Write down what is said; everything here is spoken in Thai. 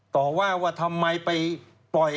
ต่อว่าว่าทำไมไปปล่อย